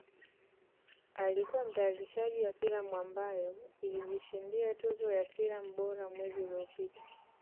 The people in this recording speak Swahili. Alikuwa mtayarishaji wa filamu ambayo ilijishindia tuzo ya filamu bora mwezi uliopita